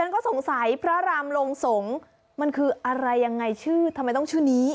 ก็สงสัยพระรามลงสงฆ์มันคืออะไรยังไงชื่อทำไมต้องชื่อนี้